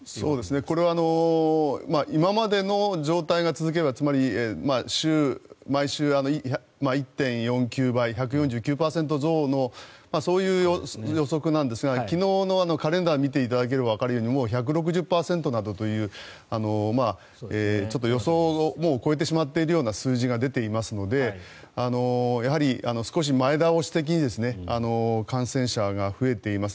これは今までの状態が続けばつまり毎週１．４９倍１４９％増のそういう予測なんですが昨日のカレンダーを見ていただければわかるようにもう１６０％などというちょっと予想を超えてしまっているような数字が出ていますのでやはり少し前倒し的に感染者が増えています。